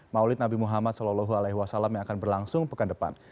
maulid nabi muhammad saw yang akan berlangsung pekan depan